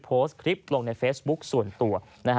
โพสต์คลิปลงในเฟซบุ๊คส่วนตัว